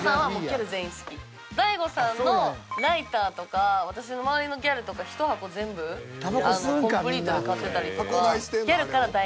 大悟さんのライターとか私の周りのギャルとかひと箱全部コンプリートで買ってたりとか。